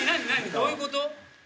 どういうこと？